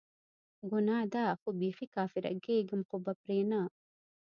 ګناه ده خو بیخي کافره کیږم خو به پری نه